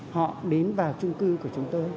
họ đến vào trung cư của chúng tôi